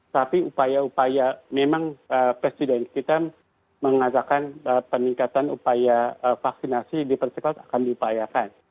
tapi upaya upaya memang presiden kita mengajakkan peningkatan upaya vaksinasi di persekut akan diupayakan